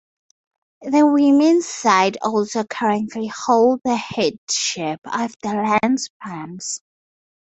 The Women's side also currently hold the headship of the Lent bumps.